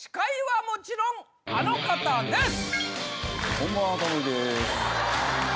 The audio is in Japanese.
こんばんはタモリです。